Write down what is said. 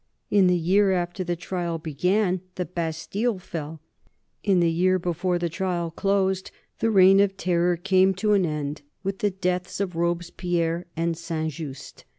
In the year after the trial began the Bastille fell. In the year before the trial closed the Reign of Terror came to an end with the deaths of Robespierre and St. Just.